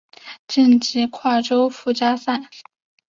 晋级跨洲附加赛。